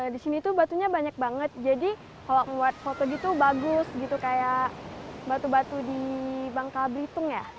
di sini tuh batunya banyak banget jadi kalau buat foto gitu bagus gitu kayak batu batu di bangka belitung ya